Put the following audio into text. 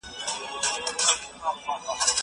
زه کولای شم دا کار وکړم!!